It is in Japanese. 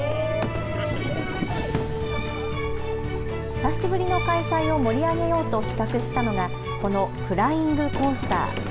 久しぶりの開催を盛り上げようと企画したのがこのフライングコースター。